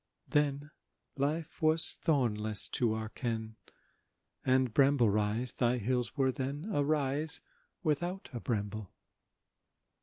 Then life was thornless to our ken, And, Bramble Rise, thy hills were then A rise without a bramble.